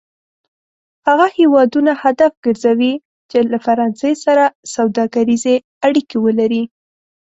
هغه هېوادونه هدف کرځوي چې له فرانسې سره سوداګریزې اړیکې ولري.